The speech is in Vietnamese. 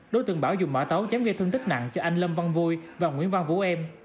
đối tượng bảo dùng mã tấu chém gây thương tích nặng cho anh lâm văn vui và nguyễn văn vũ em